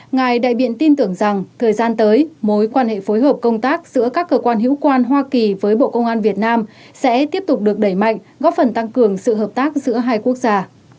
ngài đại biện tin tưởng rằng thời gian tới mối quan hệ phối hợp công tác giữa các cơ quan hữu quan hoa kỳ với bộ công an việt nam sẽ tiếp tục được đẩy mạnh góp phần tăng cường sự hợp tác giữa hai quốc gia